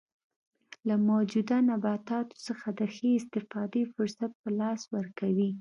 له موجوده نباتاتو څخه د ښې استفادې فرصت په لاس ورکوي.